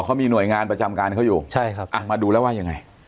เขามีหน่วยงานประจำการเขาอยู่ใช่ครับอ่ะมาดูแล้วว่ายังไง